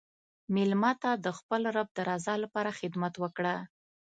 مېلمه ته د خپل رب د رضا لپاره خدمت وکړه.